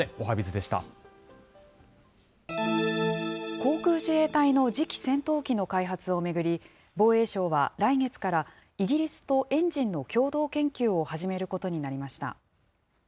航空自衛隊の次期戦闘機の開発を巡り、防衛省は来月から、イギリスとエンジンの共同研究を始めることになりました。